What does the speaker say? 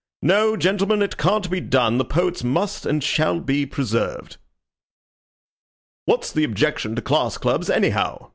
No, gentlemen, it can't be done. The poets must and shall be preserved." "What's the objection to class clubs, anyhow?"